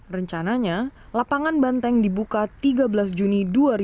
rencananya lapangan banteng dibuka tiga belas juni dua ribu dua puluh